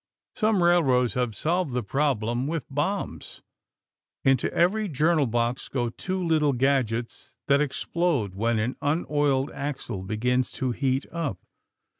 Some railroads have solved the problem with bombs! Into every journal box go two little gadgets that explode when an unoiled axle begins to heat up.